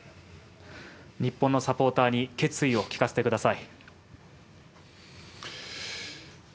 日本のサポーターに決意を聞かせてください。